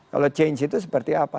kalau change itu seperti apa